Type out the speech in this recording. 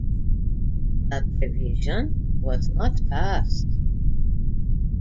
The provision was not passed.